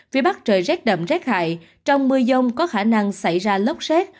phía bắc trời rét đậm rét hại trong mưa giông có khả năng xảy ra lốc rét